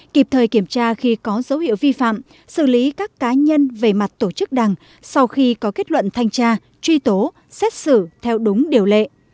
kịp thời kiểm tra khi có dấu hiệu vi phạm xử lý các cá nhân về mặt tổ chức đảng sau khi có kết luận thanh tra truy tố xét xử theo đúng điều lệ